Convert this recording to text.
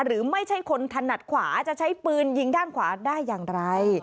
หรือไม่ใช่คนถนัดขวาจะใช้ปืนยิงด้านขวาได้อย่างไร